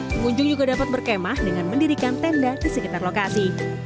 pengunjung juga dapat berkemah dengan mendirikan tenda di sekitar lokasi